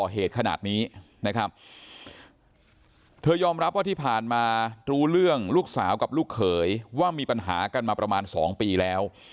เหตุขนาดนี้นะครับเธอยอมรับว่าที่ผ่านมารู้เรื่องลูกสาวกับลูกเขยว่ามีปัญหากันมาประมาณ๒ปีแล้ว